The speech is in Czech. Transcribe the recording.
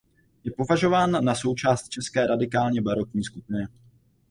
Je považován na součást České radikálně barokní skupiny.